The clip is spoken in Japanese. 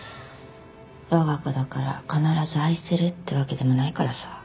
我が子だから必ず愛せるってわけでもないからさ。